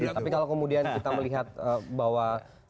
tapi kalau kemudian kita melihat bahwa